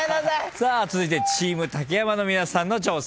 続いてチーム竹山の皆さんの挑戦です。